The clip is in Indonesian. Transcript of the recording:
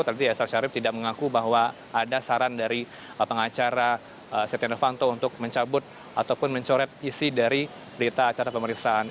tadi elsa syarif tidak mengaku bahwa ada saran dari pengacara setia novanto untuk mencabut ataupun mencoret isi dari berita acara pemeriksaan